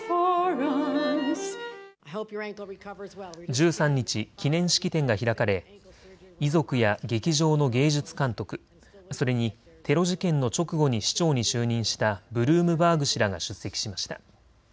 １３日、記念式典が開かれ遺族や劇場の芸術監督、それにテロ事件の直後に市長に就任したブルームバーグ氏らが出席しました。